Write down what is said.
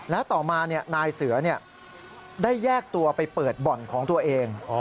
และต่อมานายเสือได้แยกตัวไปเปิดบ่อนของตัวเอง